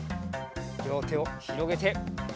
りょうてをひろげて。